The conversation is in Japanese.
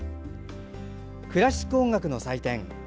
クラシック音楽の祭典